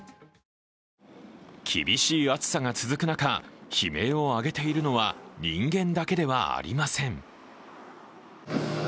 厳しい暑さが続く中、悲鳴を上げているのは人間だけではありません。